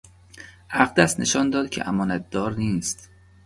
اقدس نشان داد که امانتدار نیست.